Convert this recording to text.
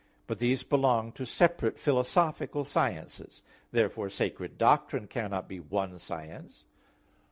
But these belong to separate philosophical sciences. Therefore sacred doctrine cannot be one science.